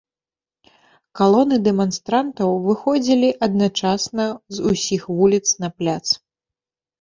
Калоны дэманстрантаў выходзілі адначасна з усіх вуліц на пляц.